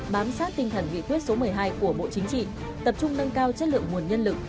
bám sát tinh thần nghị quyết số một mươi hai của bộ chính trị tập trung nâng cao chất lượng nguồn nhân lực